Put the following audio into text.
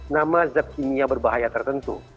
nama zat kimia berbahaya tertentu